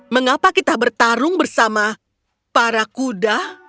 mengapa kita bertarung bersama para kuda